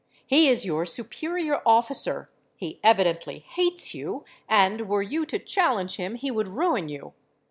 'He is your superior officer; he evidently hates you; and, were you to challenge him, he would ruin you.